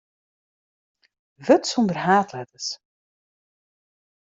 Wurd sonder haadletters.